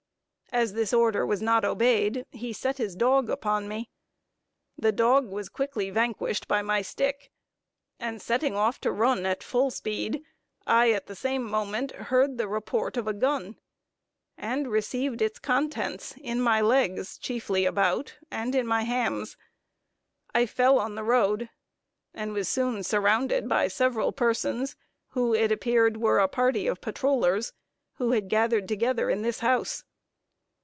As this order was not obeyed, he set his dog upon me. The dog was quickly vanquished by my stick, and setting off to run at full speed, I at the same moment heard the report of a gun, and received its contents in my legs, chiefly about, and in my hams. I fell on the road, and was soon surrounded by several persons, who it appeared were a party of patrollers, who had gathered together in this house.